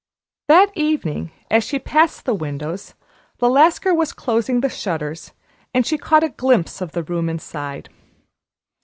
That evening, as she passed the windows, the Lascar was closing the shutters, and she caught a glimpse of the room inside.